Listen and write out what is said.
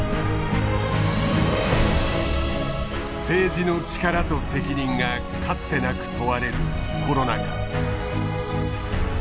政治の力と責任がかつてなく問われるコロナ禍。